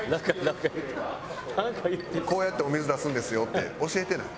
こうやってお水出すんですよって教えてない？